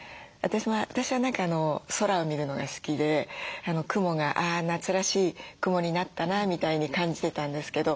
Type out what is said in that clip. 私は何か空を見るのが好きで雲が「あ夏らしい雲になったな」みたいに感じてたんですけど。